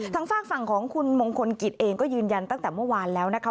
ฝากฝั่งของคุณมงคลกิจเองก็ยืนยันตั้งแต่เมื่อวานแล้วนะคะ